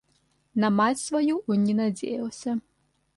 На мать свою он не надеялся.